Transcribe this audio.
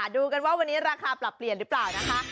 ดูกันว่าวันนี้ราคาปรับเปลี่ยนหรือเปล่านะคะ